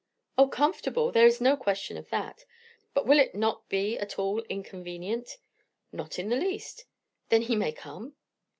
"O, comfortable! there is no question of that. But will it not be at all inconvenient?" "Not in the least." "Then he may come?"